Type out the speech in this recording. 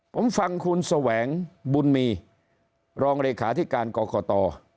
ผมฟังคุณแสวงบุญมีรองเลขาธิการกรกต